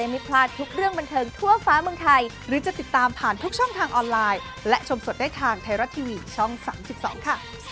มันเทิงไทยรัก